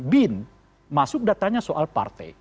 bin masuk datanya soal partai